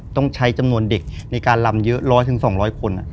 ต้องใช้จำนวนเด็กในการลำเยอะ๑๐๐๒๐๐คน